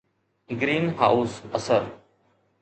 green house اثر